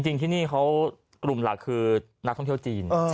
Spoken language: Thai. จริงที่นี่เขากลุ่มหลักคือนักท่องเที่ยวจีน